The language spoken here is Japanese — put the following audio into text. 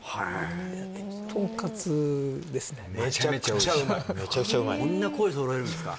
へえええこんな声そろえるんですか？